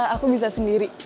aku bisa sendiri